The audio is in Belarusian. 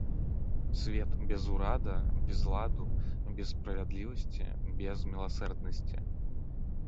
Свет без ўрада, без ладу, без справядлівасці, без міласэрнасці.